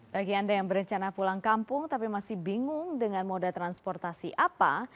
bagi anda yang berencana pulang kampung tapi masih bingung dengan moda transportasi apa